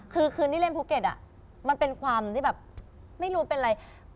คือคืนที่เล่นภูเก็ตมันเป็นความที่แบบไม่รู้เป็นอะไร